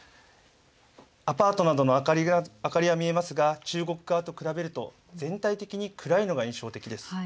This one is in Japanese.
アパートなどの明かりは見えますが中国側と比べると全体的に暗いのが印象的です。